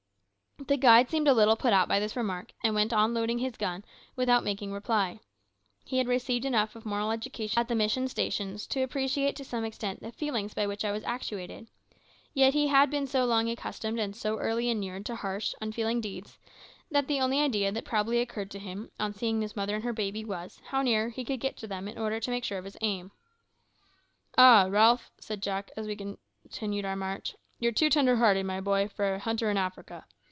The guide seemed a little put out by this remark, and went on reloading his gun without making reply. He had received enough of moral education at the mission stations to appreciate to some extent the feelings by which I was actuated; yet he had been so long accustomed and so early inured to harsh, unfeeling deeds, that the only idea that probably occurred to him on seeing this mother and her baby was, how near he could get to them in order to make sure of his aim. "Ah! Ralph," said Jack, as we resumed our march, "you're too tender hearted, my boy, for a hunter in Africa.